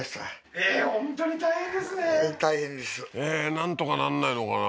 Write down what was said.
なんとかなんないのかな？